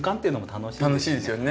楽しいですよね。